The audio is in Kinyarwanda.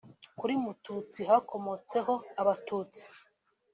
Kuri Mututsi hakomotseho Abatutsi